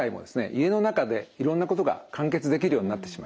家の中でいろんなことが完結できるようになってしまいました。